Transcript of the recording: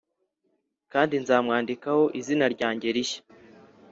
kandi nzamwandikaho izina ryanjye rishya.